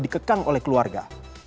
dikekang oleh keluarga